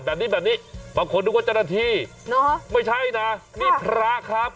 แบบนี้บางคนนึกว่าจรธีเนอะไม่ใช่นะค่ะนี่พระครับ